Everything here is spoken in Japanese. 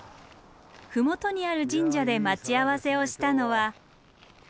麓にある神社で待ち合わせをしたのは。